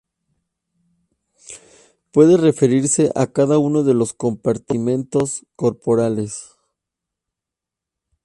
Puede referirse a cada uno de los compartimentos corporales.